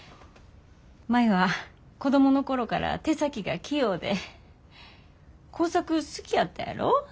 舞は子供の頃から手先が器用で工作好きやったやろ。